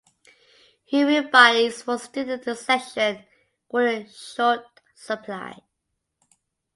Human bodies for student dissection were in short supply.